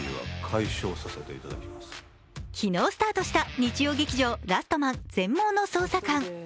昨日スタートした日曜劇場「ラストマン−全盲の捜査官−」。